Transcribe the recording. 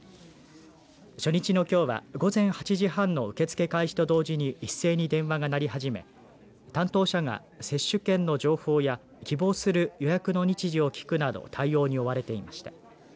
初日のきょうは午前８時半の受け付け開始と同時に一斉に電話が鳴り始め担当者が接種券の情報や希望する予約の日時を聞くなどの対応に追われていました。